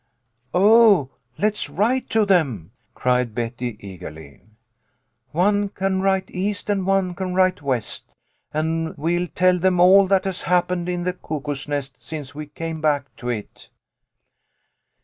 "Oh, let's write to them," cried Betty, eagerly. " One can write East and one can write West, and we'll tell them all that has happened in the Cuckoo's Nest since we came back to it."